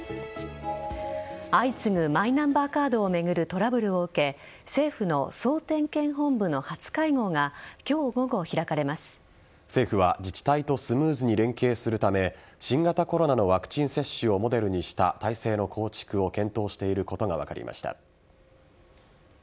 相次ぐマイナンバーカードを巡るトラブルを受け政府の総点検本部の初会合が政府は自治体とスムーズに連携するため新型コロナのワクチン接種をモデルにした体制の構築を検討していることが分かりました。